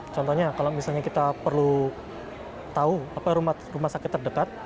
contohnya kalau misalnya kita perlu tahu rumah sakit terdekat